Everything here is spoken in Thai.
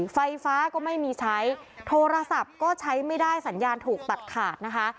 ไฟฟ้าก็ไม่มีใช้โทรศัพท์ก็ใช้ไม่ได้สัญญาณถูกตัดขาดนะคะ